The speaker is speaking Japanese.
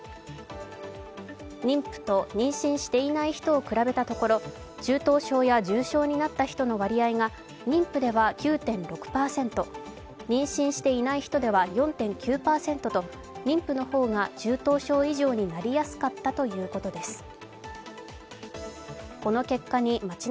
妊婦と妊娠していない人を比べたところ中等症や重症になった人の割合が妊婦では９．６％、妊娠していない人では４．９％と妊婦の方が中等症以上になりやすかったということです。